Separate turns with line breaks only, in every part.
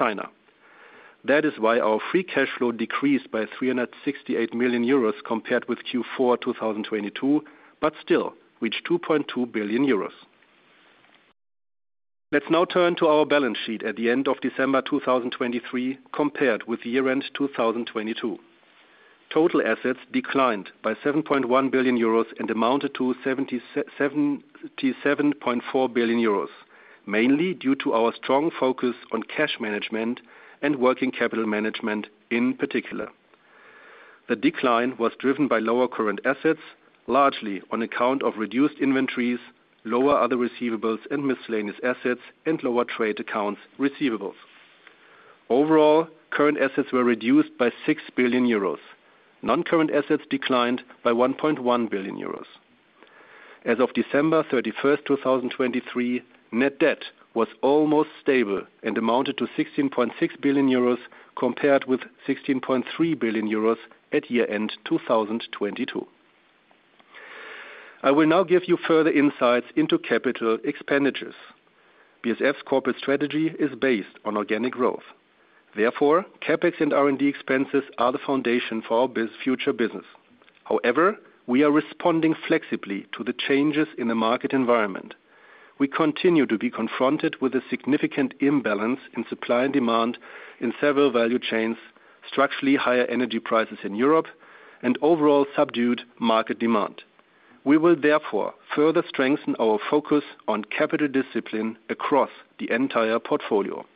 to China. That is why our free cash flow decreased by 368 million euros compared with Q4 2022, but still reached 2.2 billion euros. Let's now turn to our balance sheet at the end of December 2023, compared with year-end 2022. Total assets declined by 7.1 billion euros and amounted to 77.4 billion euros, mainly due to our strong focus on cash management and working capital management, in particular. The decline was driven by lower current assets, largely on account of reduced inventories, lower other receivables and miscellaneous assets, and lower trade accounts receivables. Overall, current assets were reduced by 6 billion euros. Non-current assets declined by 1.1 billion euros. As of December 31, 2023, net debt was almost stable and amounted to 16.6 billion euros, compared with 16.3 billion euros at year-end 2022. I will now give you further insights into capital expenditures. BASF's corporate strategy is based on organic growth. Therefore, CapEx and R&D expenses are the foundation for our future business. However, we are responding flexibly to the changes in the market environment. We continue to be confronted with a significant imbalance in supply and demand in several value chains, structurally higher energy prices in Europe, and overall subdued market demand. We will therefore further strengthen our focus on capital discipline across the entire portfolio.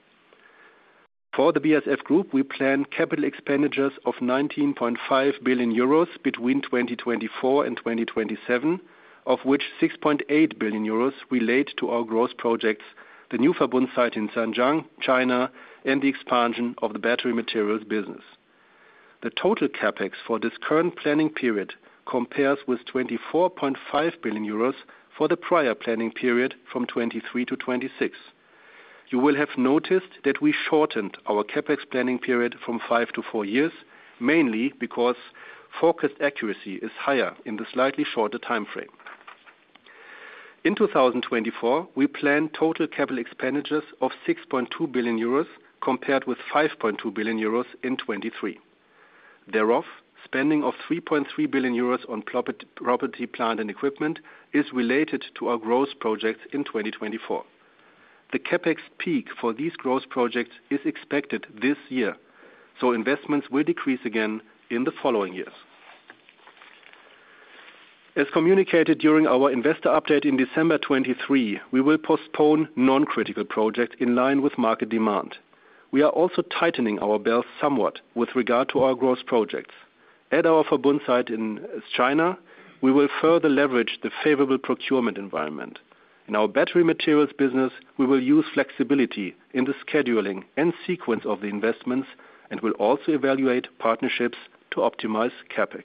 For the BASF group, we plan capital expenditures of 19.5 billion euros between 2024 and 2027, of which 6.8 billion euros relate to our growth projects, the new Verbund site in Zhanjiang, China, and the expansion of the Battery Materials business. The total CapEx for this current planning period compares with 24.5 billion euros for the prior planning period from 2023 to 2026. You will have noticed that we shortened our CapEx planning period from five to four years, mainly because forecast accuracy is higher in the slightly shorter timeframe. In 2024, we plan total capital expenditures of 6.2 billion euros, compared with 5.2 billion euros in 2023. Thereof, spending of 3.3 billion euros on property, plant, and equipment is related to our growth projects in 2024. The CapEx peak for these growth projects is expected this year, so investments will decrease again in the following years. As communicated during our investor update in December 2023, we will postpone non-critical projects in line with market demand. We are also tightening our belts somewhat with regard to our growth projects. At our Verbund site in China, we will further leverage the favorable procurement environment. In our Battery Materials business, we will use flexibility in the scheduling and sequence of the investments and will also evaluate partnerships to optimize CapEx.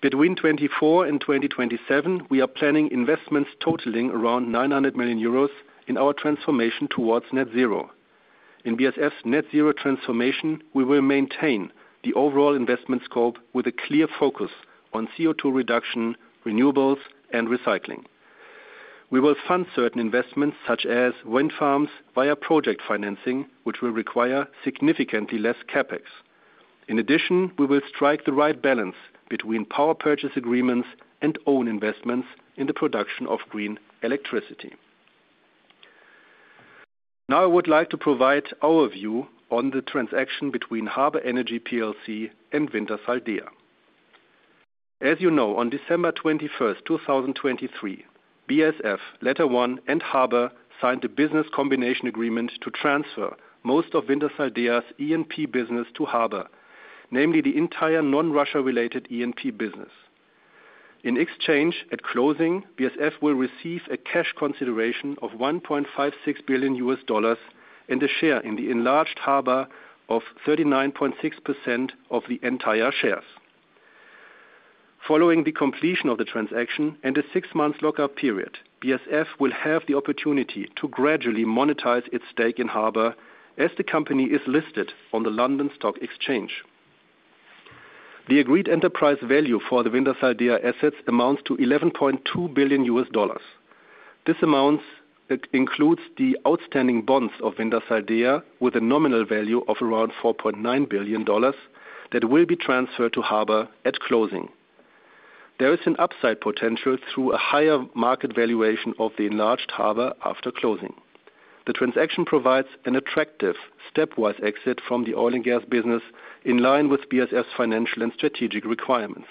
Between 2024 and 2027, we are planning investments totaling around 900 million euros in our transformation towards net zero. In BASF's net zero transformation, we will maintain the overall investment scope with a clear focus on CO2 reduction, renewables, and recycling. We will fund certain investments, such as wind farms, via project financing, which will require significantly less CapEx. In addition, we will strike the right balance between power purchase agreements and own investments in the production of green electricity. Now, I would like to provide our view on the transaction between Harbour Energy plc and Wintershall Dea. As you know, on December 21, 2023, BASF, LetterOne, and Harbour signed a business combination agreement to transfer most of Wintershall Dea's E&P business to Harbour, namely the entire non-Russia-related E&P business. In exchange, at closing, BASF will receive a cash consideration of $1.56 billion and a share in the enlarged Harbour of 39.6% of the entire shares. Following the completion of the transaction and a six-month lock-up period, BASF will have the opportunity to gradually monetize its stake in Harbour as the company is listed on the London Stock Exchange. The agreed enterprise value for the Wintershall Dea assets amounts to $11.2 billion. This amount includes the outstanding bonds of Wintershall Dea, with a nominal value of around $4.9 billion, that will be transferred to Harbour at closing. There is an upside potential through a higher market valuation of the enlarged Harbour after closing. The transaction provides an attractive stepwise exit from the oil and gas business, in line with BASF's financial and strategic requirements.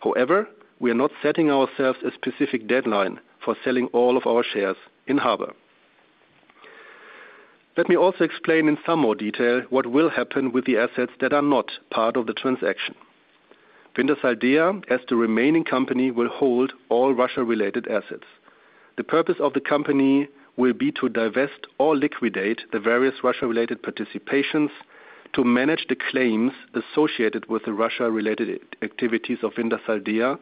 However, we are not setting ourselves a specific deadline for selling all of our shares in Harbour. Let me also explain in some more detail what will happen with the assets that are not part of the transaction. Wintershall Dea, as the remaining company, will hold all Russia-related assets. The purpose of the company will be to divest or liquidate the various Russia-related participations, to manage the claims associated with the Russia-related activities of Wintershall Dea,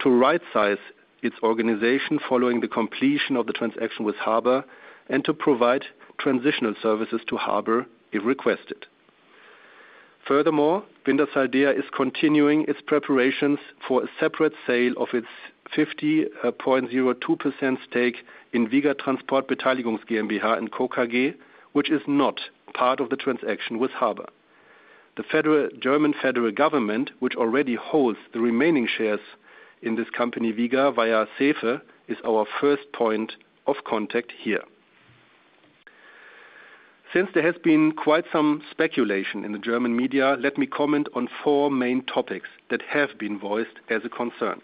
to rightsize its organization following the completion of the transaction with Harbour, and to provide transitional services to Harbour if requested.... Furthermore, Wintershall Dea is continuing its preparations for a separate sale of its 50.02% stake in WIGA Transport Beteiligungs-GmbH & Co. KG, which is not part of the transaction with Harbour. The German federal government, which already holds the remaining shares in this company, WIGA, via SEFE, is our first point of contact here. Since there has been quite some speculation in the German media, let me comment on four main topics that have been voiced as a concern.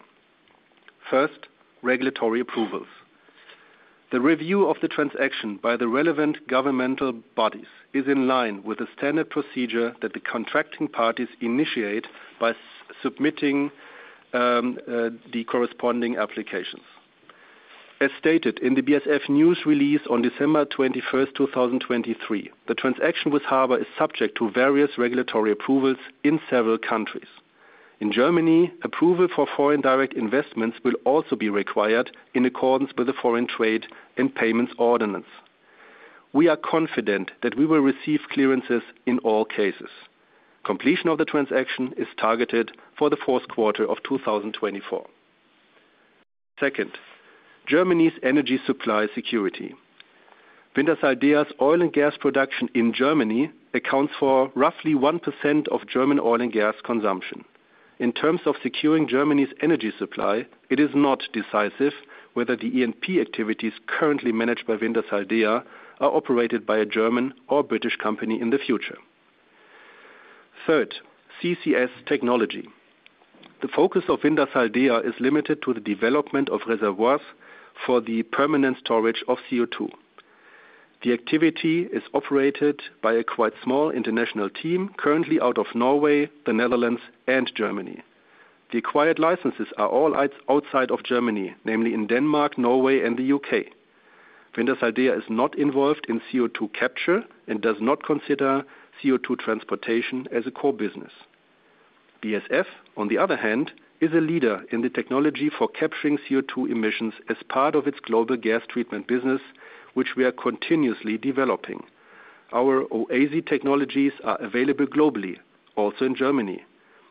First, regulatory approvals. The review of the transaction by the relevant governmental bodies is in line with the standard procedure that the contracting parties initiate by submitting the corresponding applications. As stated in the BASF news release on December 21, 2023, the transaction with Harbour is subject to various regulatory approvals in several countries. In Germany, approval for foreign direct investments will also be required in accordance with the Foreign Trade and Payments Ordinance. We are confident that we will receive clearances in all cases. Completion of the transaction is targeted for the fourth quarter of 2024. Second, Germany's energy supply security. Wintershall Dea's oil and gas production in Germany accounts for roughly 1% of German oil and gas consumption. In terms of securing Germany's energy supply, it is not decisive whether the E&P activities currently managed by Wintershall Dea are operated by a German or British company in the future. Third, CCS technology. The focus of Wintershall Dea is limited to the development of reservoirs for the permanent storage of CO2. The activity is operated by a quite small international team, currently out of Norway, the Netherlands, and Germany. The acquired licenses are all outside of Germany, namely in Denmark, Norway, and the U.K. Wintershall Dea is not involved in CO2 capture and does not consider CO2 transportation as a core business. BASF, on the other hand, is a leader in the technology for capturing CO2 emissions as part of its global gas treatment business, which we are continuously developing. Our OASE technologies are available globally, also in Germany.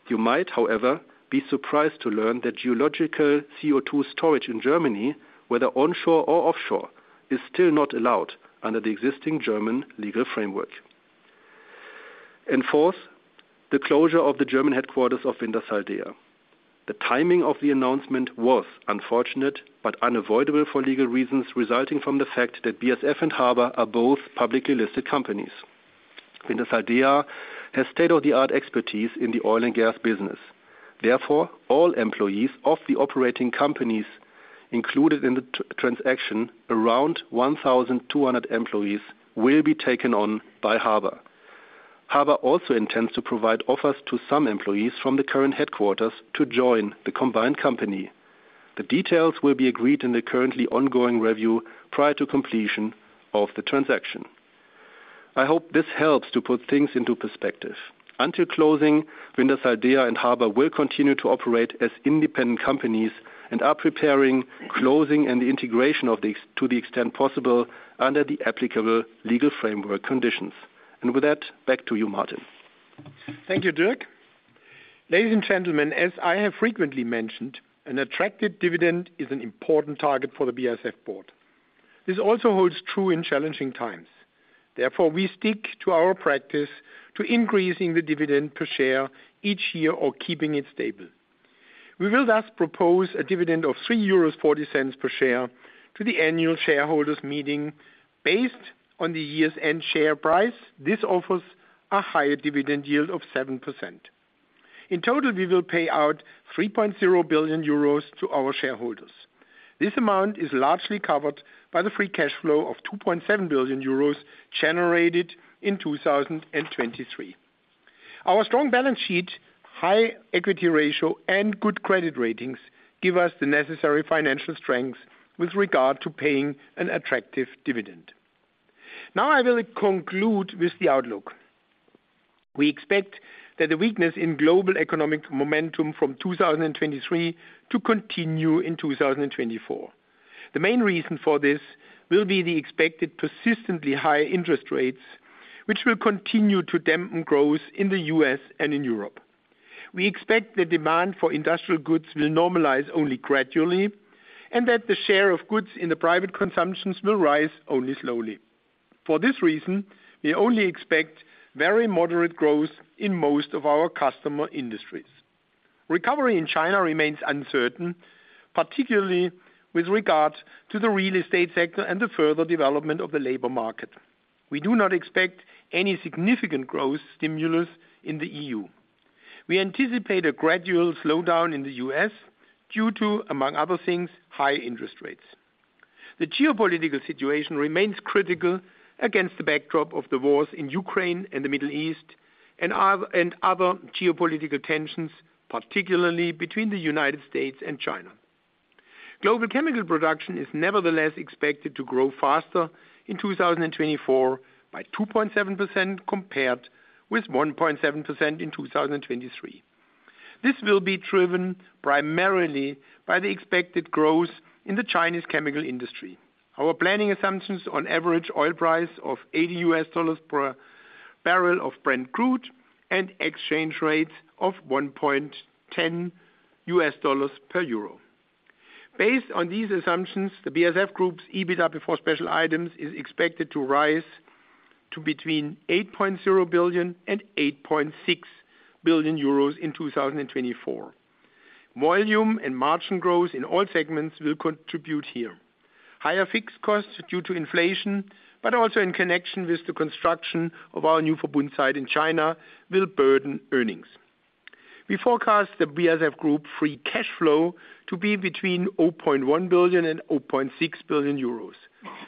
You might, however, be surprised to learn that geological CO2 storage in Germany, whether onshore or offshore, is still not allowed under the existing German legal framework. And fourth, the closure of the German headquarters of Wintershall Dea. The timing of the announcement was unfortunate, but unavoidable for legal reasons, resulting from the fact that BASF and Harbour are both publicly listed companies. Wintershall Dea has state-of-the-art expertise in the oil and gas business. Therefore, all employees of the operating companies included in the transaction, around 1,200 employees, will be taken on by Harbour. Harbour also intends to provide offers to some employees from the current headquarters to join the combined company. The details will be agreed in the currently ongoing review prior to completion of the transaction. I hope this helps to put things into perspective. Until closing, Wintershall Dea and Harbour will continue to operate as independent companies and are preparing closing and the integration to the extent possible under the applicable legal framework conditions. With that, back to you, Martin.
Thank you, Dirk. Ladies and gentlemen, as I have frequently mentioned, an attractive dividend is an important target for the BASF board. This also holds true in challenging times. Therefore, we stick to our practice to increasing the dividend per share each year or keeping it stable. We will thus propose a dividend of 3.40 euros per share to the annual shareholders meeting. Based on the year's end share price, this offers a higher dividend yield of 7%. In total, we will pay out 3.0 billion euros to our shareholders. This amount is largely covered by the free cash flow of 2.7 billion euros generated in 2023. Our strong balance sheet, high equity ratio, and good credit ratings give us the necessary financial strength with regard to paying an attractive dividend. Now, I will conclude with the outlook. We expect that the weakness in global economic momentum from 2023 to continue in 2024. The main reason for this will be the expected persistently high interest rates, which will continue to dampen growth in the U.S. and in Europe. We expect the demand for industrial goods will normalize only gradually, and that the share of goods in the private consumptions will rise only slowly. For this reason, we only expect very moderate growth in most of our customer industries. Recovery in China remains uncertain, particularly with regard to the real estate sector and the further development of the labor market. We do not expect any significant growth stimulus in the EU. We anticipate a gradual slowdown in the U.S. due to, among other things, high interest rates. The geopolitical situation remains critical against the backdrop of the wars in Ukraine and the Middle East and other geopolitical tensions, particularly between the United States and China. Global chemical production is nevertheless expected to grow faster in 2024 by 2.7%, compared with 1.7% in 2023.... This will be driven primarily by the expected growth in the Chinese chemical industry. Our planning assumptions on average oil price of $80 per barrel of Brent crude and exchange rates of $1.10 per euro. Based on these assumptions, the BASF Group's EBITDA before special items is expected to rise to between 8.0 billion and 8.6 billion euros in 2024. Volume and margin growth in all segments will contribute here. Higher fixed costs due to inflation, but also in connection with the construction of our new Verbund site in China, will burden earnings. We forecast the BASF Group free cash flow to be between 0.1 billion and 0.6 billion euros.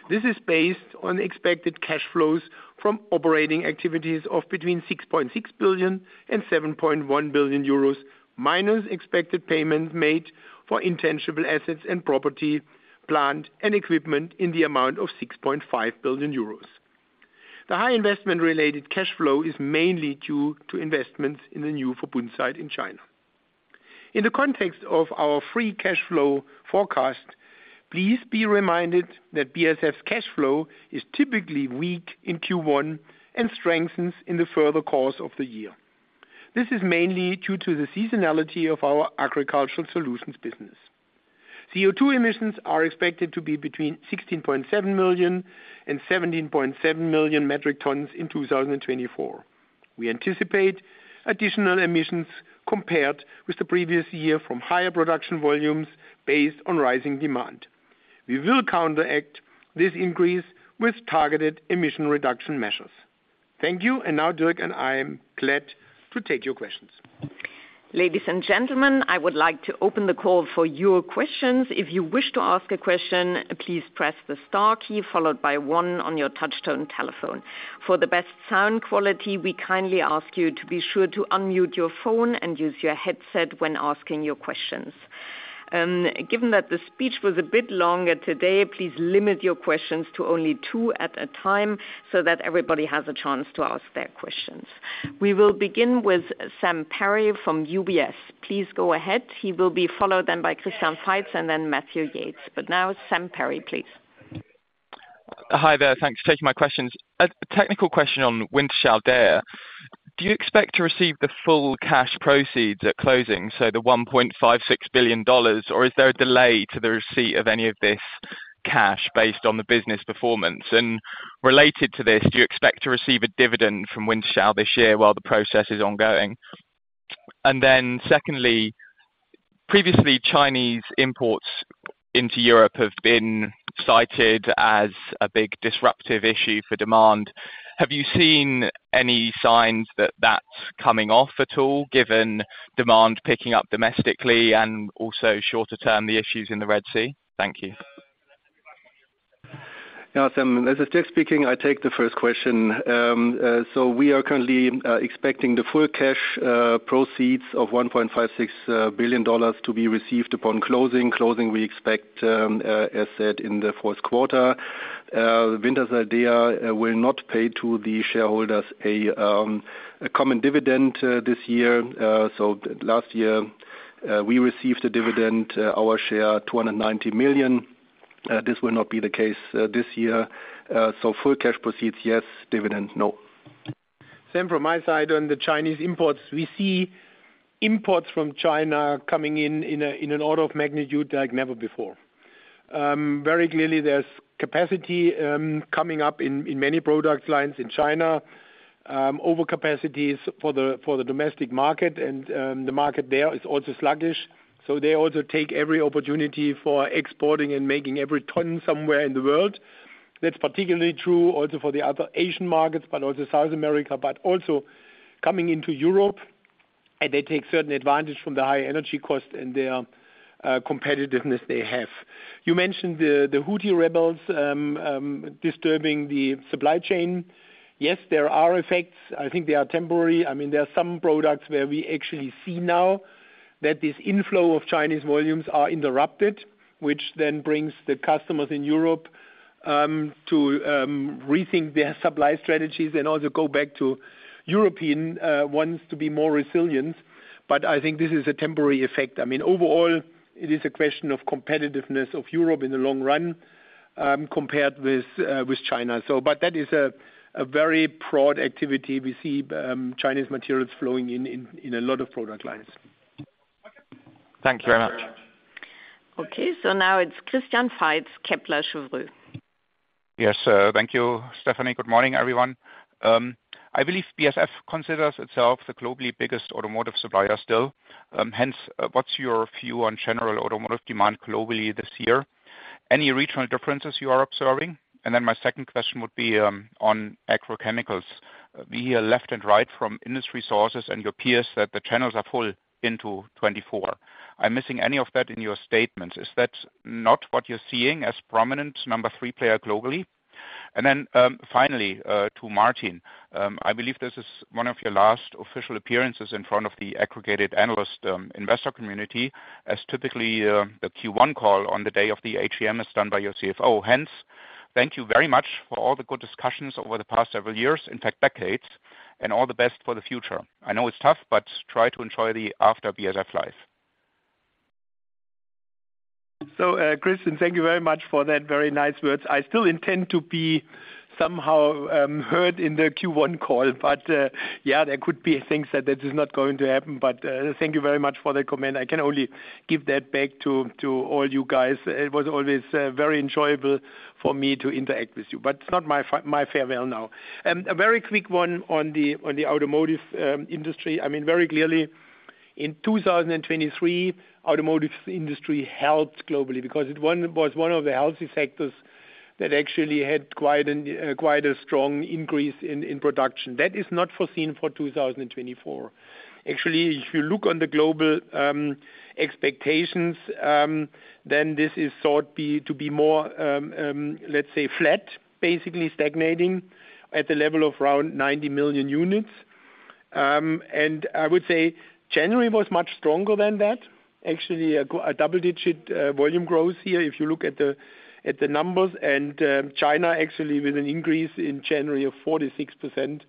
This is based on expected cash flows from operating activities of between 6.6 billion and 7.1 billion euros, minus expected payments made for intangible assets and property, plant and equipment in the amount of 6.5 billion euros. The high investment-related cash flow is mainly due to investments in the new Verbund site in China. In the context of our free cash flow forecast, please be reminded that BASF's cash flow is typically weak in Q1 and strengthens in the further course of the year. This is mainly due to the seasonality of our Agricultural Solutions business. CO2 emissions are expected to be between 16.7 million and 17.7 million metric tons in 2024. We anticipate additional emissions compared with the previous year from higher production volumes based on rising demand. We will counteract this increase with targeted emission reduction measures. Thank you, and now Dirk and I am glad to take your questions.
Ladies and gentlemen, I would like to open the call for your questions. If you wish to ask a question, please press the star key followed by one on your touchtone telephone. For the best sound quality, we kindly ask you to be sure to unmute your phone and use your headset when asking your questions. Given that the speech was a bit longer today, please limit your questions to only two at a time so that everybody has a chance to ask their questions. We will begin with Sam Perry from UBS. Please go ahead. He will be followed then by Christian Faitz and then Matthew Yates. Now Sam Perry, please.
Hi there. Thanks for taking my questions. A technical question on Wintershall Dea. Do you expect to receive the full cash proceeds at closing, so the $1.56 billion, or is there a delay to the receipt of any of this cash based on the business performance? And related to this, do you expect to receive a dividend from Wintershall this year while the process is ongoing? And then secondly, previously, Chinese imports into Europe have been cited as a big disruptive issue for demand. Have you seen any signs that that's coming off at all, given demand picking up domestically and also shorter term, the issues in the Red Sea? Thank you.
Yeah, Sam, this is Dirk speaking, I take the first question. So we are currently expecting the full cash proceeds of $1.56 billion to be received upon closing. Closing, we expect, as said, in the fourth quarter. Wintershall Dea will not pay to the shareholders a common dividend this year. So last year we received a dividend, our share 290 million. This will not be the case this year. So full cash proceeds, yes. Dividend, no.
Sam, from my side on the Chinese imports, we see imports from China coming in, in an order of magnitude like never before. Very clearly there's capacity coming up in many product lines in China. Overcapacities for the domestic market and the market there is also sluggish, so they also take every opportunity for exporting and making every ton somewhere in the world. That's particularly true also for the other Asian markets, but also South America, but also coming into Europe, and they take certain advantage from the high energy cost and their competitiveness they have. You mentioned the Houthi rebels disturbing the supply chain. Yes, there are effects. I think they are temporary. I mean, there are some products where we actually see now that this inflow of Chinese volumes are interrupted, which then brings the customers in Europe, to rethink their supply strategies and also go back to European, ones to be more resilient. But I think this is a temporary effect. I mean, overall, it is a question of competitiveness of Europe in the long run, compared with, with China. So but that is a very broad activity. We see Chinese materials flowing in a lot of product lines.
Thank you very much.
Okay, so now it's Christian Faitz, Kepler Cheuvreux.
Yes, thank you, Stefanie. Good morning, everyone. I believe BASF considers itself the globally biggest automotive supplier still. Hence, what's your view on general automotive demand globally this year? Any regional differences you are observing? And then my second question would be, on agrochemicals. We hear left and right from industry sources and your peers that the channels are full into 2024. I'm missing any of that in your statement. Is that not what you're seeing as prominent number three player globally? And then, finally, to Martin. I believe this is one of your last official appearances in front of the aggregated analyst, investor community, as typically, the Q1 call on the day of the AGM is done by your CFO. Hence, thank you very much for all the good discussions over the past several years, in fact, decades, and all the best for the future. I know it's tough, but try to enjoy the after BASF life....
So, Christian, thank you very much for that very nice words. I still intend to be somehow heard in the Q1 call, but, yeah, there could be things that is not going to happen. But, thank you very much for the comment. I can only give that back to all you guys. It was always very enjoyable for me to interact with you, but it's not my farewell now. A very quick one on the automotive industry. I mean, very clearly, in 2023, automotive industry helped globally because it was one of the healthy sectors that actually had quite a strong increase in production. That is not foreseen for 2024. Actually, if you look on the global expectations, then this is thought to be more, let's say flat, basically stagnating at the level of around 90 million units. And I would say January was much stronger than that, actually, a double digit volume growth here, if you look at the numbers and, China actually with an increase in January of 46%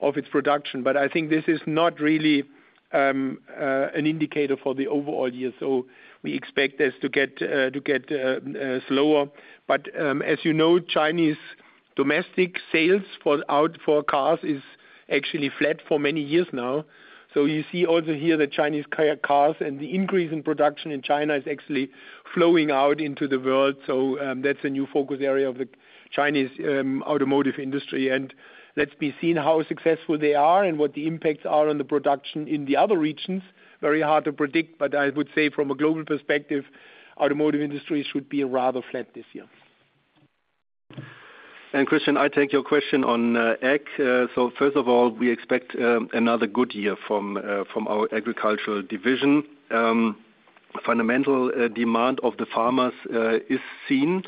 of its production. But I think this is not really an indicator for the overall year. So we expect this to get slower. But, as you know, Chinese domestic sales for cars is actually flat for many years now. So you see also here the Chinese cars and the increase in production in China is actually flowing out into the world. That's a new focus area of the Chinese automotive industry, and let's be seeing how successful they are and what the impacts are on the production in the other regions. Very hard to predict, but I would say from a global perspective, automotive industry should be rather flat this year.
Christian, I take your question on ag. So first of all, we expect another good year from our agricultural division. Fundamental demand of the farmers is seen.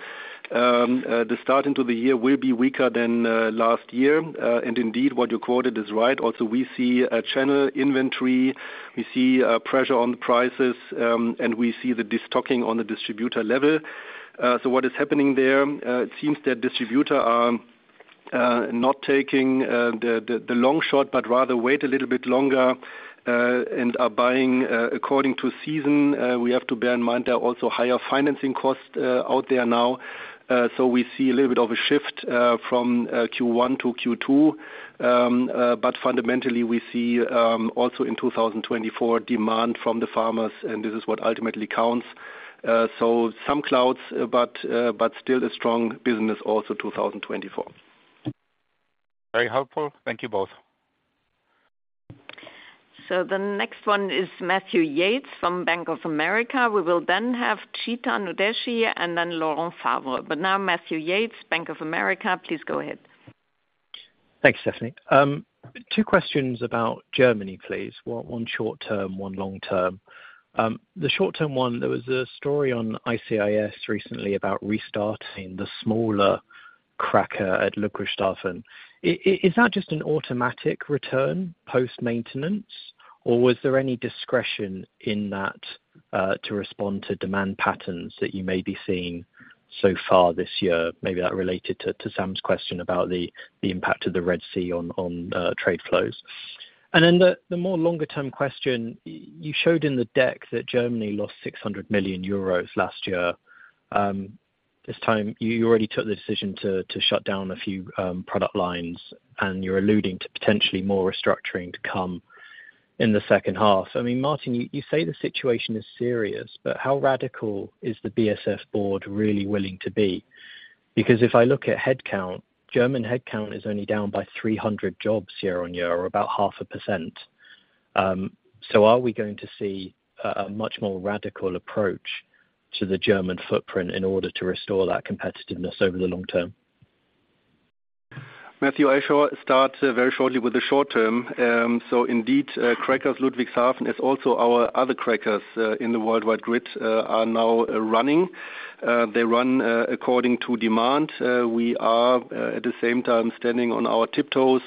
The start into the year will be weaker than last year. And indeed, what you quoted is right. Also, we see a channel inventory, we see a pressure on the prices, and we see the de-stocking on the distributor level. So what is happening there, it seems that distributor are not taking the long shot, but rather wait a little bit longer, and are buying according to season. We have to bear in mind there are also higher financing costs out there now. So we see a little bit of a shift from Q1 to Q2. But fundamentally, we see also in 2024 demand from the farmers, and this is what ultimately counts. So some clouds, but still a strong business, also 2024.
Very helpful. Thank you both.
So the next one is Matthew Yates from Bank of America. We will then have Chetan Udeshi, and then Laurent Favre. But now Matthew Yates, Bank of America, please go ahead.
Thanks, Stefanie. Two questions about Germany, please. One short term, one long term. The short term one, there was a story on ICIS recently about restarting the smaller cracker at Ludwigshafen. Is that just an automatic return post-maintenance, or was there any discretion in that to respond to demand patterns that you may be seeing so far this year? Maybe that related to Sam's question about the impact of the Red Sea on trade flows. And then the more longer term question, you showed in the deck that Germany lost 600 million euros last year. This time you already took the decision to shut down a few product lines, and you're alluding to potentially more restructuring to come in the second half. I mean, Martin, you say the situation is serious, but how radical is the BASF board really willing to be? Because if I look at headcount, German headcount is only down by 300 jobs year-on-year, or about 0.5%. So are we going to see a much more radical approach to the German footprint in order to restore that competitiveness over the long term?
Matthew, I sure start very shortly with the short term. So indeed, crackers, Ludwigshafen, is also our other crackers in the worldwide grid are now running. They run according to demand. We are at the same time standing on our tiptoes,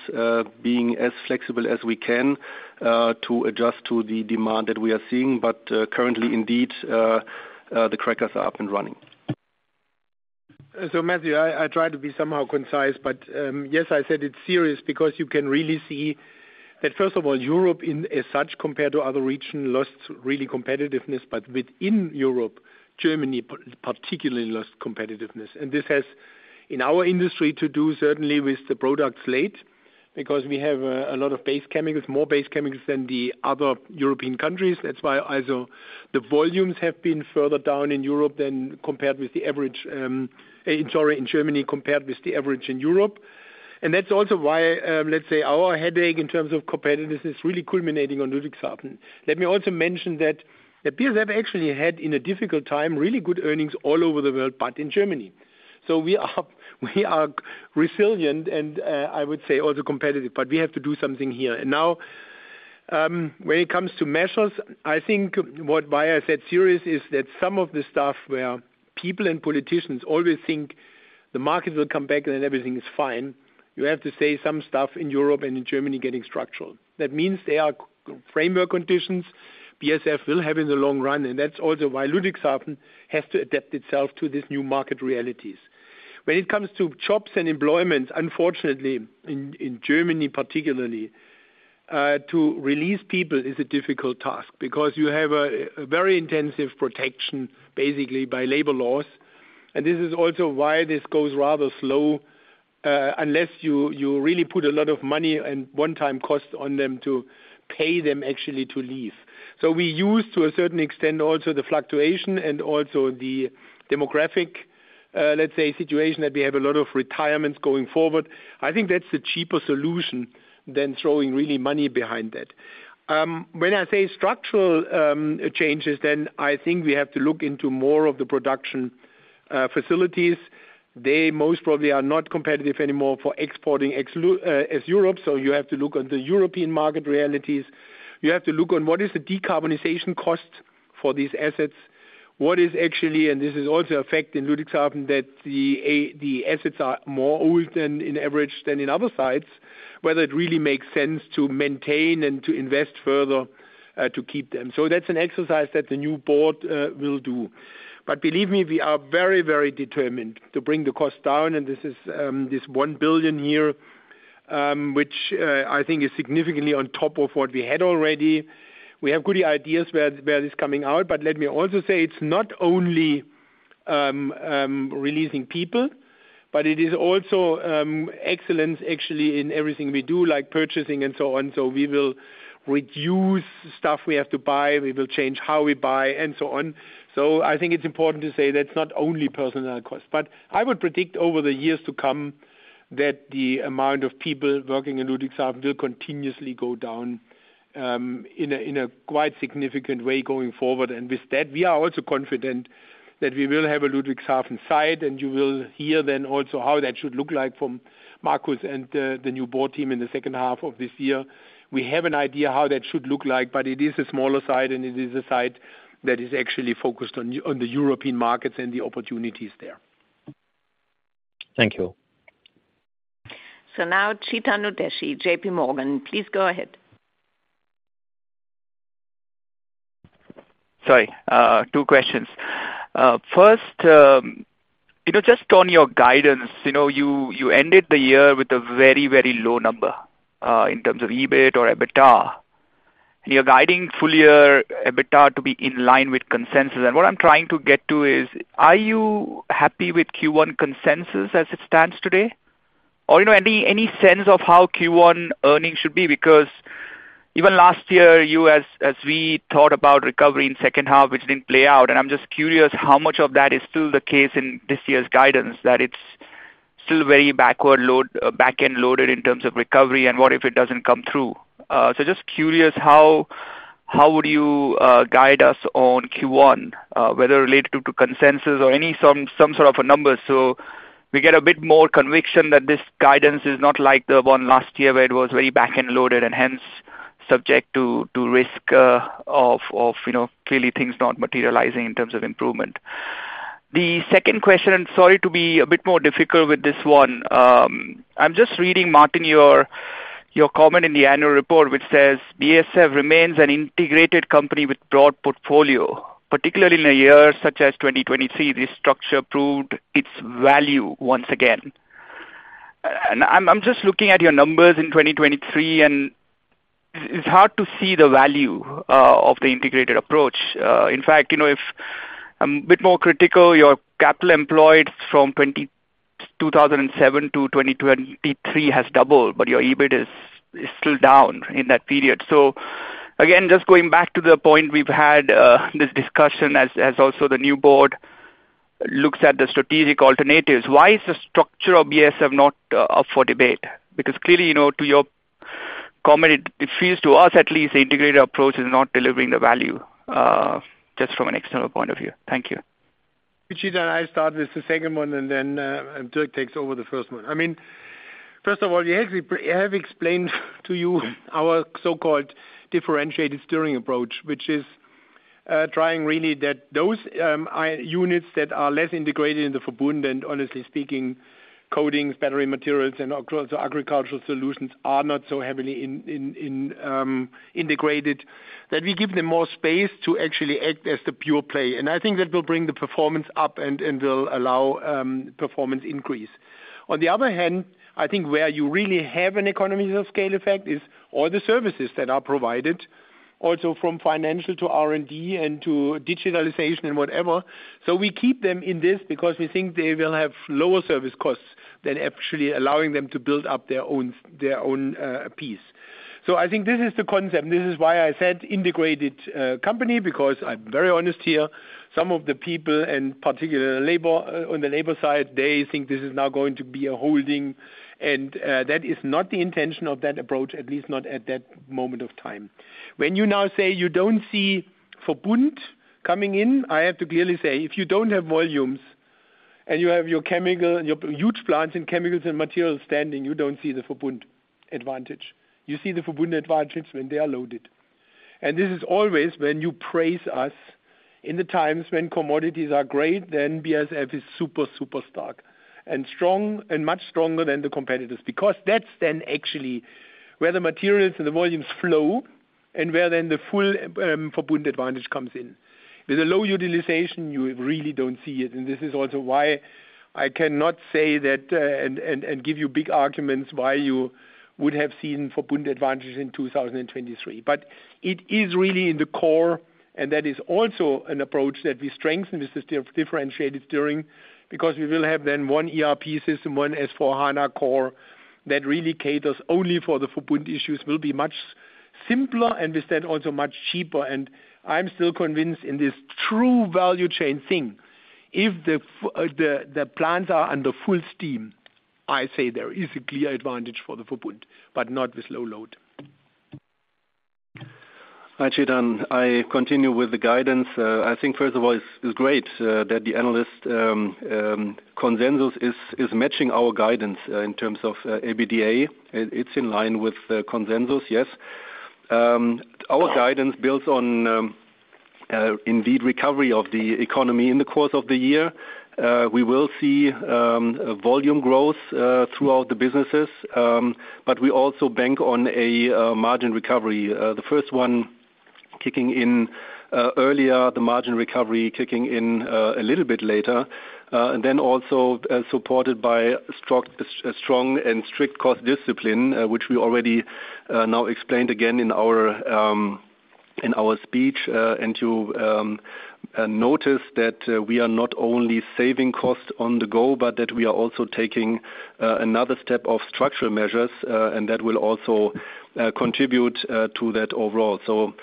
being as flexible as we can to adjust to the demand that we are seeing. But currently, indeed, the crackers are up and running.
So Matthew, I try to be somehow concise, but yes, I said it's serious, because you can really see that, first of all, Europe as such, compared to other regions, lost really competitiveness, but within Europe, Germany particularly lost competitiveness. And this has, in our industry, to do certainly with the product slate, because we have a lot of base chemicals, more base chemicals than the other European countries. That's why also the volumes have been further down in Europe than compared with the average, sorry, in Germany, compared with the average in Europe. And that's also why, let's say our headache in terms of competitiveness is really culminating on Ludwigshafen. Let me also mention that BASF actually had, in a difficult time, really good earnings all over the world, but in Germany. So we are resilient and, I would say also competitive, but we have to do something here. And now, when it comes to measures, I think what, why I said serious, is that some of the stuff where people and politicians always think the market will come back and then everything is fine, you have to say some stuff in Europe and in Germany getting structural. That means they are the framework conditions BASF will have in the long run, and that's also why Ludwigshafen has to adapt itself to this new market realities. When it comes to jobs and employment, unfortunately, in, in Germany particularly-... To release people is a difficult task because you have a very intensive protection, basically by labor laws, and this is also why this goes rather slow, unless you really put a lot of money and one-time costs on them to pay them actually to leave. So we use, to a certain extent, also the fluctuation and also the demographic, let's say, situation that we have a lot of retirements going forward. I think that's the cheaper solution than throwing really money behind that. When I say structural changes, then I think we have to look into more of the production facilities. They most probably are not competitive anymore for exporting as Europe, so you have to look at the European market realities. You have to look on what is the decarbonization cost for these assets? What is actually, and this is also affects in Ludwigshafen, that the assets are older than average than in other sites, whether it really makes sense to maintain and to invest further to keep them. So that's an exercise that the new board will do. But believe me, we are very, very determined to bring the cost down, and this is this 1 billion here, which I think is significantly on top of what we had already. We have good ideas where it's coming out, but let me also say it's not only releasing people, but it is also excellence actually in everything we do, like purchasing and so on. So we will reduce stuff we have to buy. We will change how we buy and so on. So I think it's important to say that's not only personnel costs. But I would predict over the years to come, that the amount of people working in Ludwigshafen will continuously go down, in a quite significant way going forward. And with that, we are also confident that we will have a Ludwigshafen site, and you will hear then also how that should look like from Markus and, the new board team in the second half of this year. We have an idea how that should look like, but it is a smaller site, and it is a site that is actually focused on, on the European markets and the opportunities there.
Thank you.
So now Chetan Udeshi, J.P. Morgan, please go ahead.
Sorry, two questions. First, you know, just on your guidance, you know, you ended the year with a very, very low number in terms of EBIT or EBITDA. You're guiding full year EBITDA to be in line with consensus. And what I'm trying to get to is, are you happy with Q1 consensus as it stands today? Or, you know, any sense of how Q1 earnings should be? Because even last year, as we thought about recovery in second half, which didn't play out, and I'm just curious how much of that is still the case in this year's guidance, that it's still very back-loaded in terms of recovery and what if it doesn't come through? So just curious, how would you guide us on Q1, whether related to consensus or any some sort of a number so we get a bit more conviction that this guidance is not like the one last year where it was very back-end loaded and hence subject to risk of you know clearly things not materializing in terms of improvement. The second question, sorry, to be a bit more difficult with this one. I'm just reading, Martin, your comment in the annual report, which says: BASF remains an integrated company with broad portfolio, particularly in a year such as 2023, this structure proved its value once again. And I'm just looking at your numbers in 2023, and it's hard to see the value of the integrated approach. In fact, you know, if I'm a bit more critical, your capital employed from 2007 to 2023 has doubled, but your EBIT is still down in that period. So again, just going back to the point, we've had this discussion as also the new board looks at the strategic alternatives. Why is the structure of BASF not up for debate? Because clearly, you know, to your comment, it feels to us at least, the integrated approach is not delivering the value just from an external point of view. Thank you.
Chetan, I start with the second one, and then Dirk takes over the first one. I mean, first of all, yes, we have explained to you our so-called differentiated steering approach, which is trying really that those units that are less integrated in the Verbund, and honestly speaking, Coatings, Battery Materials, and Agricultural Solutions are not so heavily integrated, that we give them more space to actually act as the pure play. And I think that will bring the performance up and will allow performance increase. On the other hand, I think where you really have an economies of scale effect is all the services that are provided, also from financial to R&D and to digitalization and whatever. So we keep them in this because we think they will have lower service costs than actually allowing them to build up their own, their own, piece. So I think this is the concept. This is why I said integrated company, because I'm very honest here, some of the people, and particularly labor, on the labor side, they think this is now going to be a holding, and that is not the intention of that approach, at least not at that moment of time. When you now say you don't see Verbund coming in, I have to clearly say, if you don't have volumes and you have your chemical and your huge plants and chemicals and materials standing, you don't see the Verbund advantage. You see the Verbund advantages when they are loaded. And this is always when you praise us. In the times when commodities are great, then BASF is super, super stark and strong, and much stronger than the competitors, because that's then actually where the materials and the volumes flow and where then the full Verbund advantage comes in. With a low utilization, you really don't see it, and this is also why I cannot say that and give you big arguments why you would have seen Verbund advantage in 2023. But it is really in the core, and that is also an approach that we strengthen the system of differentiated Verbund, because we will have then one ERP system, one S/4HANA core, that really caters only for the Verbund issues, will be much simpler and with that also much cheaper. I'm still convinced in this true value chain thing. If the plants are under full steam, I say there is a clear advantage for the Verbund, but not with low load.
Hi, Chetan, I continue with the guidance. I think, first of all, it's great that the analyst consensus is matching our guidance in terms of EBITDA. It's in line with the consensus, yes. Our guidance builds on indeed recovery of the economy in the course of the year. We will see volume growth throughout the businesses. But we also bank on a margin recovery. The first one kicking in earlier, the margin recovery kicking in a little bit later. And then also supported by strong and strict cost discipline, which we already now explained again in our speech. And to notice that we are not only saving costs on the go, but that we are also taking another step of structural measures, and that will also contribute to that overall. So,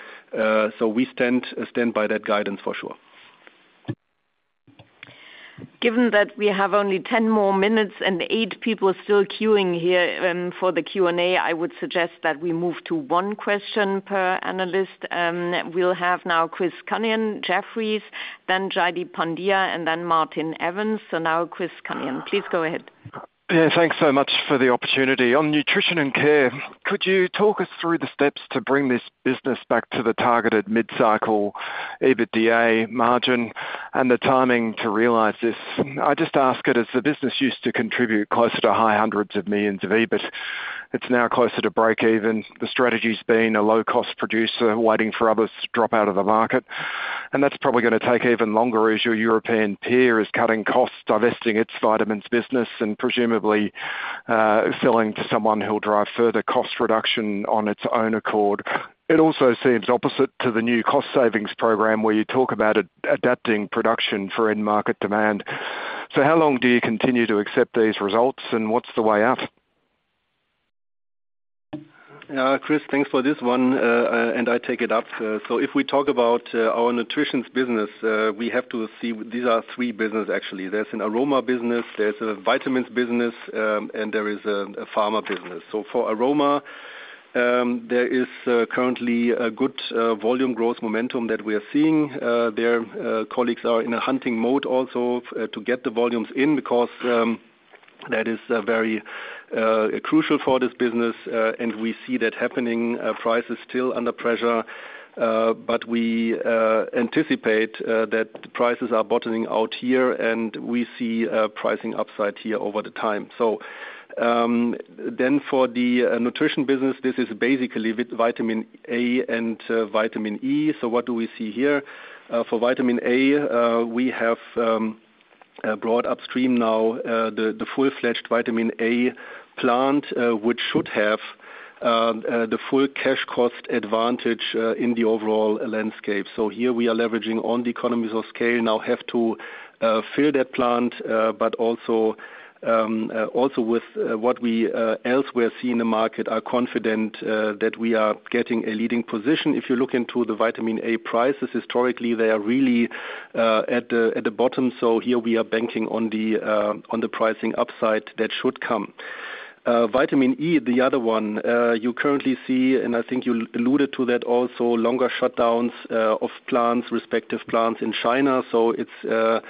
we stand by that guidance for sure.
Given that we have only 10 more minutes and eight people still queuing here, for the Q&A, I would suggest that we move to one question per analyst. We'll have now Chris Counihan, Jefferies, then Jaideep Pandya, and then Martin Evans. So now Chris Counihan, please go ahead.
Yeah, thanks so much for the opportunity. On Nutrition and Care, could you talk us through the steps to bring this business back to the targeted mid-cycle, EBITDA margin and the timing to realize this? I just ask it as the business used to contribute closer to high hundreds of millions EUR of EBIT. It's now closer to breakeven. The strategy's been a low-cost producer, waiting for others to drop out of the market, and that's probably gonna take even longer as your European peer is cutting costs, divesting its vitamins business, and presumably, selling to someone who'll drive further cost reduction on its own accord. It also seems opposite to the new cost savings program, where you talk about adapting production for end market demand. So how long do you continue to accept these results, and what's the way out?
Chris, thanks for this one. I take it up. So if we talk about our nutrition business, we have to see, these are three businesses actually. There's an aroma business, there's a vitamins business, and there is a pharma business. So for aroma, there is currently a good volume growth momentum that we are seeing. Colleagues are in a hunting mode also to get the volumes in, because that is very crucial for this business, and we see that happening. Price is still under pressure, but we anticipate that the prices are bottoming out here, and we see a pricing upside here over time. So then for the nutrition business, this is basically with Vitamin A and Vitamin E. So what do we see here? For Vitamin A, we have brought upstream now the full-fledged Vitamin A plant, which should have the full cash cost advantage in the overall landscape. So here we are leveraging on the economies of scale, now have to fill that plant, but also also with what we elsewhere see in the market, are confident that we are getting a leading position. If you look into the Vitamin A prices, historically, they are really at the bottom, so here we are banking on the on the pricing upside that should come. Vitamin E, the other one, you currently see, and I think you alluded to that also, longer shutdowns of plants, respective plants in China. So it's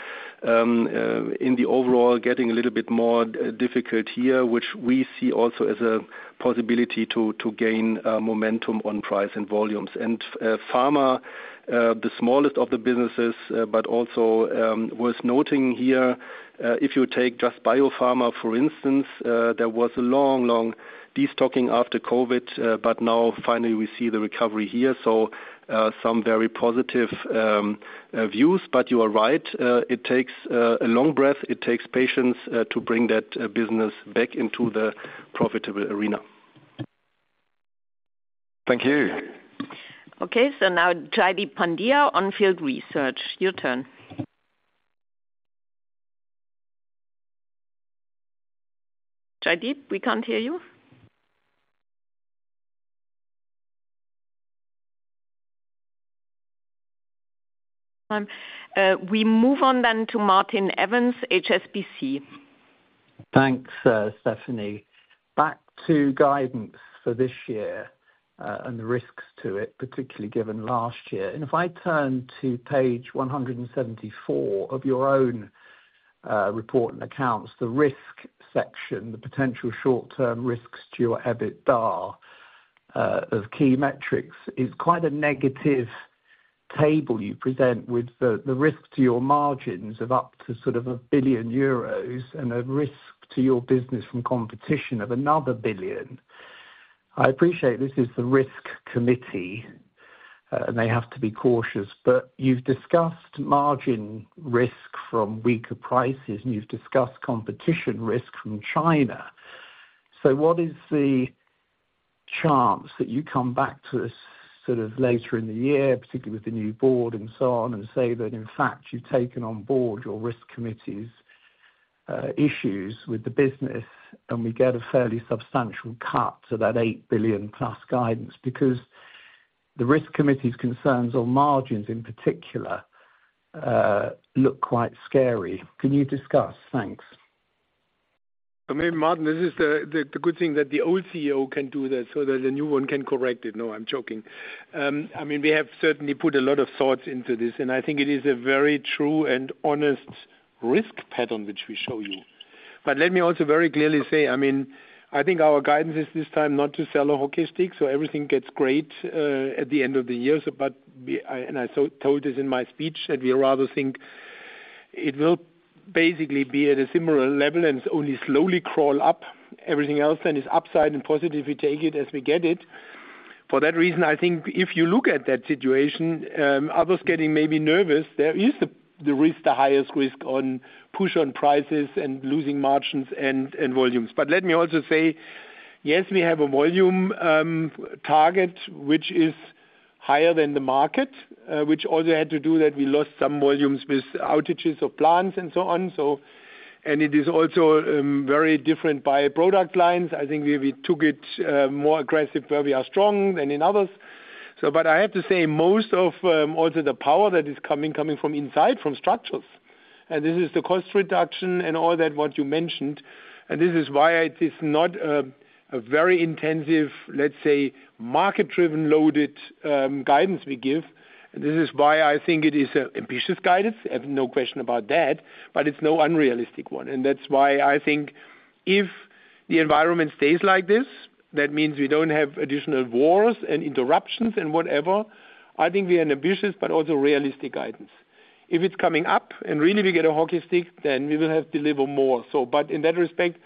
in the overall getting a little bit more difficult here, which we see also as a possibility to gain momentum on price and volumes. And pharma, the smallest of the businesses, but also worth noting here, if you take just biopharma, for instance, there was a long, long destocking after COVID, but now finally we see the recovery here. So some very positive views. But you are right, it takes a long breath. It takes patience to bring that business back into the profitable arena.
Thank you.
Okay, so now Jaideep Pandya, Onfield Research. Your turn. Jaideep, we can't hear you. We move on then to Martin Evans, HSBC.
Thanks, Stefanie. Back to guidance for this year, and the risks to it, particularly given last year. If I turn to page 174 of your own report and accounts, the risk section, the potential short-term risks to your EBITDA of key metrics is quite a negative table you present with the risk to your margins of up to sort of 1 billion euros and a risk to your business from competition of another 1 billion. I appreciate this is the risk committee, and they have to be cautious, but you've discussed margin risk from weaker prices, and you've discussed competition risk from China. So what is the chance that you come back to this sort of later in the year, particularly with the new board and so on, and say that, in fact, you've taken on board your risk committee's issues with the business, and we get a fairly substantial cut to that 8 billion+ guidance? Because the risk committee's concerns on margins, in particular, look quite scary. Can you discuss? Thanks.
I mean, Martin, this is the good thing that the old CEO can do that, so that the new one can correct it. No, I'm joking. I mean, we have certainly put a lot of thoughts into this, and I think it is a very true and honest risk pattern which we show you. But let me also very clearly say, I mean, I think our guidance is this time not to sell a hockey stick, so everything gets great at the end of the year. But we- I, and I so told this in my speech, that we rather think it will basically be at a similar level and only slowly crawl up everything else, and is upside and positive, we take it as we get it. For that reason, I think if you look at that situation, others getting maybe nervous, there is the risk, the highest risk on push on prices and losing margins and volumes. But let me also say, yes, we have a volume target, which is higher than the market, which also had to do that we lost some volumes with outages of plants and so on, so. And it is also very different by product lines. I think we took it more aggressive where we are strong than in others. So, but I have to say, most of also the power that is coming from inside, from structures, and this is the cost reduction and all that, what you mentioned, and this is why it is not a very intensive, let's say, market-driven, loaded guidance we give. This is why I think it is an ambitious guidance. I have no question about that, but it's not unrealistic one, and that's why I think if the environment stays like this, that means we don't have additional wars and interruptions and whatever, I think we are an ambitious but also realistic guidance. If it's coming up and really we get a hockey stick, then we will have to deliver more. But in that respect,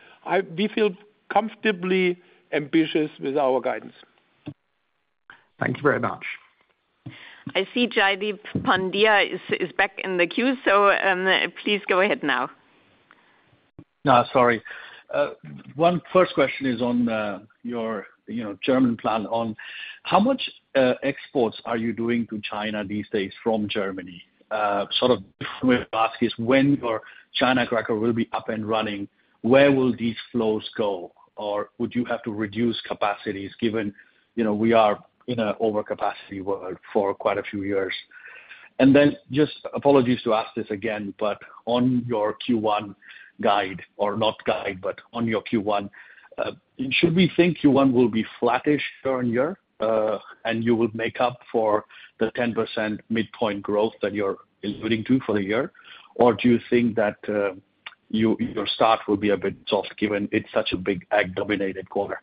we feel comfortably ambitious with our guidance.
Thank you very much.
I see Jaideep Pandya is back in the queue, so, please go ahead now.
No, sorry. One first question is on, your, you know, German plant on how much exports are you doing to China these days from Germany? Sort of ask is, when your China cracker will be up and running, where will these flows go? Or would you have to reduce capacities, given, you know, we are in a overcapacity world for quite a few years. And then just apologies to ask this again, but on your Q1 guide, or not guide, but on your Q1, should we think Q1 will be flattish year-on-year, and you will make up for the 10% midpoint growth that you're alluding to for the year? Or do you think that, your start will be a bit soft, given it's such a big ag-dominated quarter?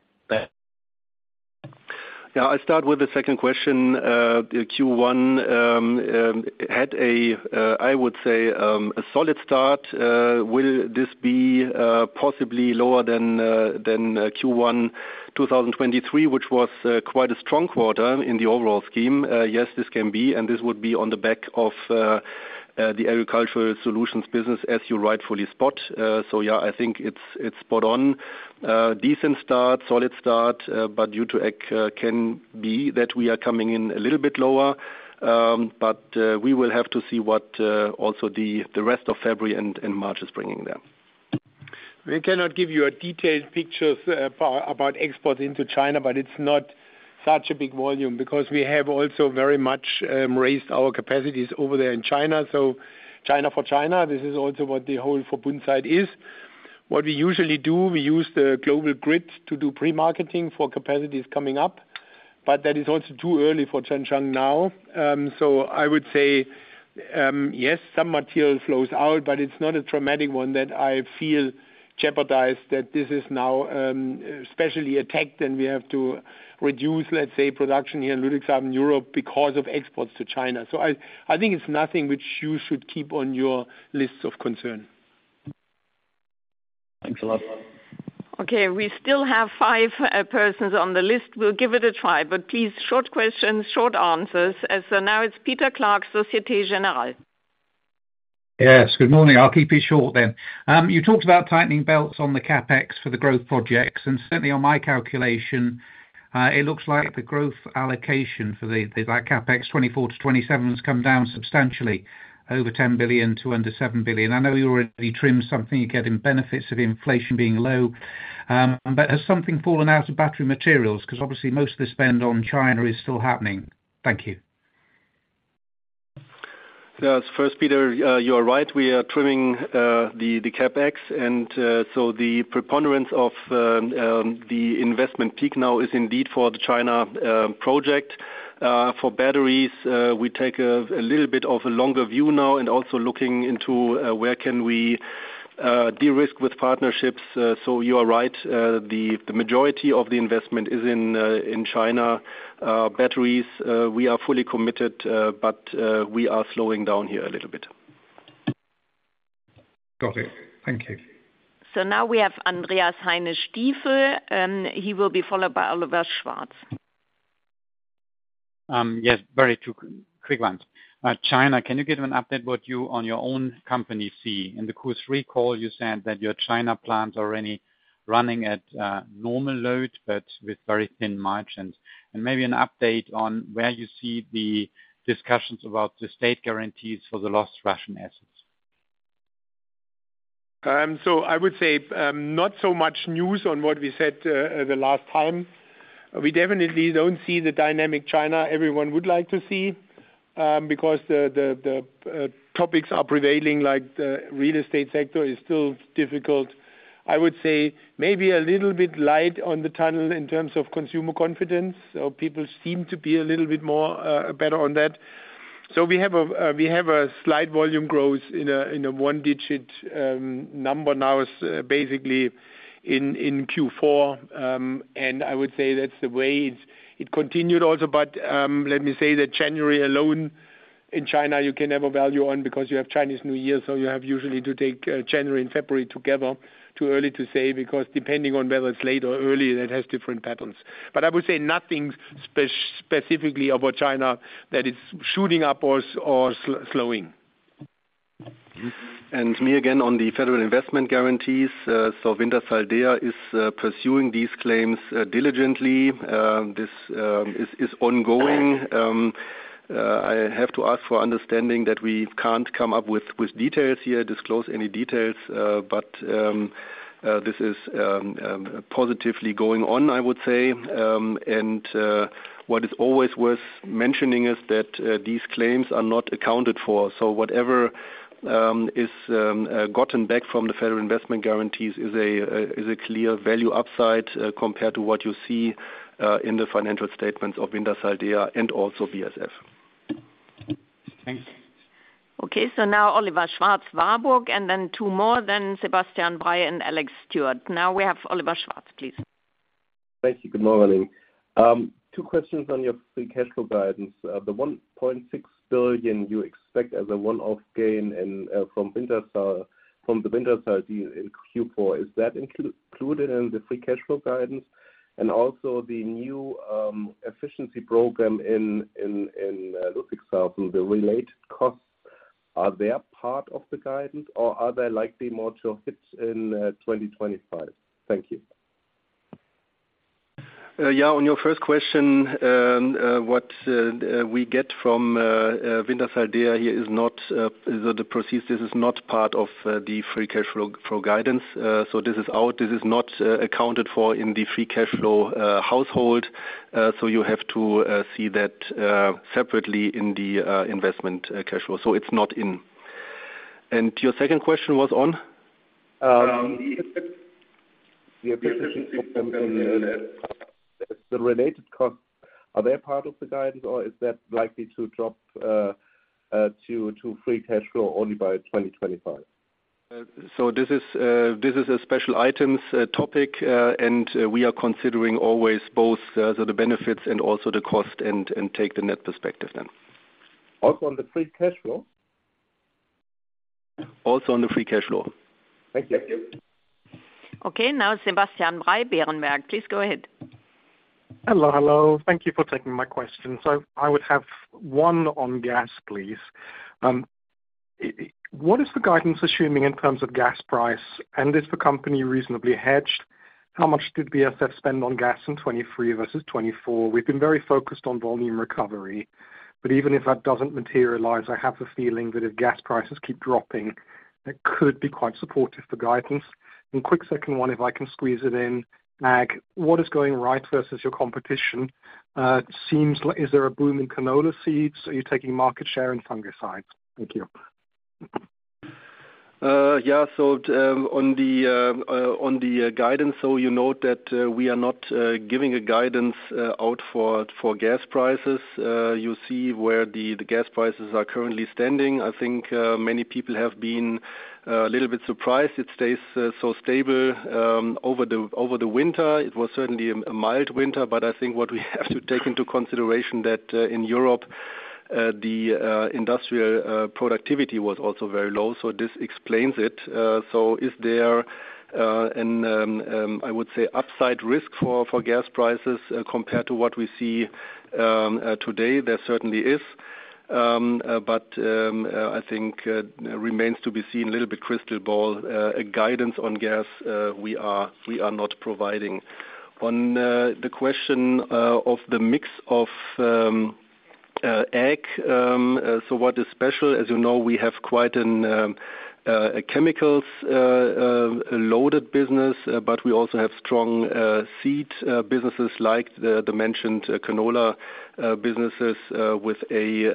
Yeah, I'll start with the second question. Q1 had a, I would say, a solid start. Will this be possibly lower than Q1 2023, which was quite a strong quarter in the overall scheme? Yes, this can be, and this would be on the back of the Agricultural Solutions business, as you rightfully spot. So yeah, I think it's spot on. Decent start, solid start, but due to ag, can be that we are coming in a little bit lower. But we will have to see what also the rest of February and March is bringing there.
We cannot give you a detailed picture about exports into China, but it's not such a big volume because we have also very much raised our capacities over there in China. So China, for China, this is also what the whole Verbund side is. What we usually do, we use the global grid to do pre-marketing for capacities coming up, but that is also too early for Zhanjiang now. So I would say, yes, some material flows out, but it's not a dramatic one that I feel jeopardized, that this is now especially attacked, and we have to reduce, let's say, production here in Ludwigshafen, Europe, because of exports to China. So I think it's nothing which you should keep on your list of concern.
Thanks a lot.
Okay, we still have five persons on the list. We'll give it a try, but please, short questions, short answers. As of now, it's Peter Clark, Société Générale.
Yes. Good morning. I'll keep it short then. You talked about tightening belts on the CapEx for the growth projects, and certainly on my calculation, it looks like the growth allocation for the CapEx 2024 to 2027 has come down substantially, over 10 billion to under 7 billion. I know you already trimmed something. You're getting benefits of inflation being low, but has something fallen out of Battery Materials? 'Cause obviously most of the spend on China is still happening. Thank you.
Yes. First, Peter, you are right. We are trimming the CapEx, and so the preponderance of the investment peak now is indeed for the China project. For batteries, we take a little bit of a longer view now and also looking into where we can de-risk with partnerships. So you are right, the majority of the investment is in China. Batteries, we are fully committed, but we are slowing down here a little bit.
Got it. Thank you.
Now we have Andreas Heine Stifel, and he will be followed by Oliver Schwarz.
Yes, very two quick ones. China, can you give an update what you on your own company see? In the Q3 call, you said that your China plants are already running at normal load, but with very thin margins, and maybe an update on where you see the discussions about the state guarantees for the lost Russian assets.
So I would say not so much news on what we said the last time. We definitely don't see the dynamic China everyone would like to see, because the topics are prevailing, like the real estate sector is still difficult. I would say maybe a little bit light on the tunnel in terms of consumer confidence, so people seem to be a little bit more better on that. So we have a slight volume growth in a one-digit number now, basically in Q4. And I would say that's the way it continued also. But let me say that January alone in China, you can have a value on, because you have Chinese New Year, so you have usually to take January and February together. Too early to say, because depending on whether it's late or early, that has different patterns. But I would say nothing specifically about China that is shooting up or slowing. And me again on the federal investment guarantees, so Wintershall Dea is pursuing these claims diligently. This is ongoing. I have to ask for understanding that we can't come up with details here, disclose any details, but this is positively going on, I would say. And what is always worth mentioning is that these claims are not accounted for. So whatever is gotten back from the federal investment guarantees is a clear value upside compared to what you see in the financial statements of Wintershall Dea and also BASF.
Thank you.
Okay, so now Oliver Schwarz, Warburg, and then two more, then Sebastian Bray and Alex Stewart. Now we have Oliver Schwarz, please.
Thank you. Good morning. Two questions on your free cash flow guidance. The 1.6 billion you expect as a one-off gain and from Wintershall, from the Wintershall deal in Q4, is that included in the free cash flow guidance? And also the new efficiency program in Ludwigshafen, the related costs, are they part of the guidance, or are they likely more to hit in 2025? Thank you.
Yeah, on your first question, what we get from Wintershall Dea here is not the proceeds. This is not part of the free cash flow guidance. So this is out. This is not accounted for in the free cash flow outflow. So you have to see that separately in the investment cash flow. So it's not in. And your second question was on?
The efficiency in the related costs, are they part of the guidance, or is that likely to drop to free cash flow only by 2025?
So this is a special items topic, and we are considering always both the benefits and also the cost and take the net perspective then.
Also on the free cash flow?
Also on the free cash flow.
Thank you.
Okay, now Sebastian Bray, Berenberg, please go ahead.
Hello, hello. Thank you for taking my question. So I would have one on gas, please. What is the guidance assuming in terms of gas price, and is the company reasonably hedged? How much did BASF spend on gas in 2023 versus 2024? We've been very focused on volume recovery, but even if that doesn't materialize, I have the feeling that if gas prices keep dropping, it could be quite supportive for guidance. And quick second one, if I can squeeze it in. Ag, what is going right versus your competition? It seems like, is there a boom in canola seeds? Are you taking market share in fungicides? Thank you.
Yeah, so on the guidance, so you note that we are not giving a guidance out for gas prices. You see where the gas prices are currently standing. I think many people have been a little bit surprised it stays so stable over the winter. It was certainly a mild winter, but I think what we have to take into consideration that in Europe the industrial productivity was also very low, so this explains it. So is there an upside risk for gas prices compared to what we see today? There certainly is, but I think remains to be seen, a little bit crystal ball. A guidance on gas, we are not providing. On the question of the mix of ag. So what is special, as you know, we have quite an a chemicals loaded business, but we also have strong seed businesses, like the mentioned canola businesses with a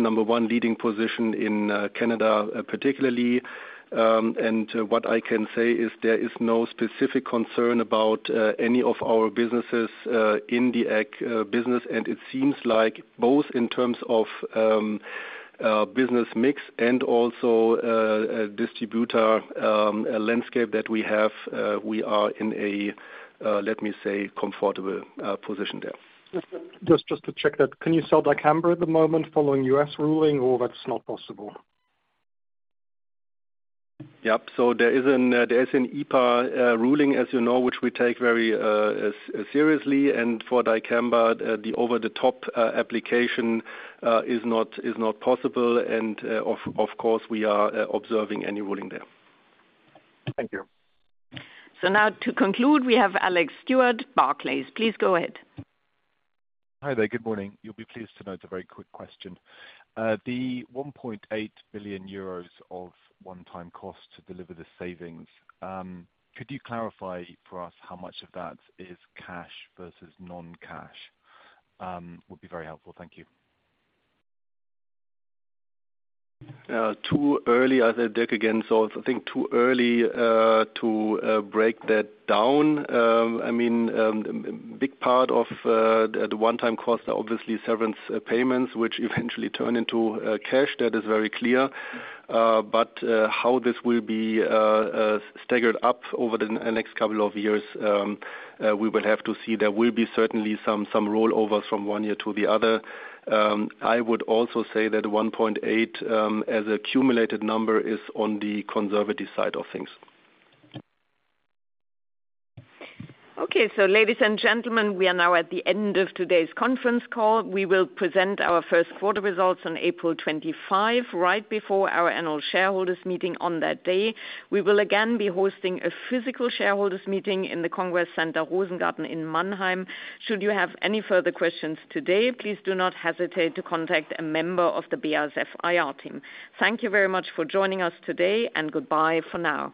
number one leading position in Canada, particularly. And what I can say is there is no specific concern about any of our businesses in the ag business, and it seems like both in terms of business mix and also a distributor landscape that we have, we are in a let me say, comfortable position there.
Just, just to check that, can you sell dicamba at the moment following U.S. ruling, or that's not possible?
Yep. So there is an EPA ruling, as you know, which we take very seriously. And for dicamba, the over-the-top application is not possible. And, of course, we are observing any ruling there.
Thank you.
Now to conclude, we have Alex Stewart, Barclays. Please go ahead.
Hi there. Good morning. You'll be pleased to know it's a very quick question. The 1.8 billion euros of one-time cost to deliver the savings, could you clarify for us how much of that is cash versus non-cash? Would be very helpful. Thank you.
Too early, as I said, Dirk again. So I think too early to break that down. I mean, big part of the one-time cost are obviously severance payments, which eventually turn into cash. That is very clear. But how this will be staggered up over the next couple of years, we will have to see. There will be certainly some rollovers from one year to the other. I would also say that 1.8 billion, as accumulated number, is on the conservative side of things.
Okay. So ladies and gentlemen, we are now at the end of today's conference call. We will present our first quarter results on April 25, right before our annual shareholders' meeting on that day. We will again be hosting a physical shareholders' meeting in the Congress Center Rosengarten in Mannheim. Should you have any further questions today, please do not hesitate to contact a member of the BASF IR team. Thank you very much for joining us today, and goodbye for now.